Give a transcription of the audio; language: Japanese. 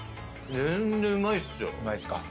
全然うまいっすよ。